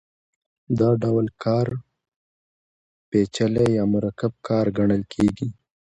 دا ډول کار پېچلی یا مرکب کار ګڼل کېږي